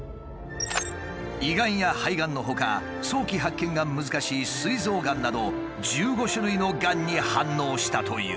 胃がんや肺がんのほか早期発見が難しいすい臓がんなど１５種類のがんに反応したという。